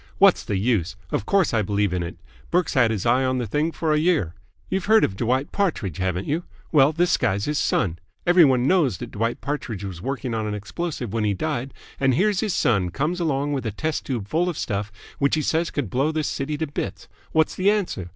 "What's the use? Of course I believe in it. Burke's had his eye on the thing for a year. You've heard of Dwight Partridge, haven't you? Well, this guy's his son. Every one knows that Dwight Partridge was working on an explosive when he died, and here's his son comes along with a test tube full of stuff which he says could blow this city to bits. What's the answer?